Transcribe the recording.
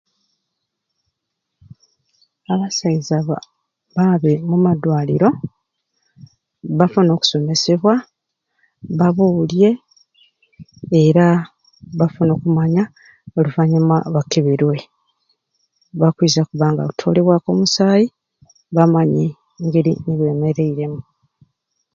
Abasaiza baba baabe mu dwaliro bafune oku somesebwa babulye era bafune okumanya oluvanyuma bakeberwe bakwiza kuba nga bakwiyibwaku bamanye engeri gyebemerereimu